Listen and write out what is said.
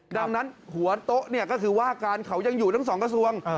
ดังนั้นหัวโต๊ะเนี่ยก็คือว่าการเขายังอยู่ทั้งสองกระทรวง